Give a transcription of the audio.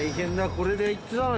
これで行ってたの？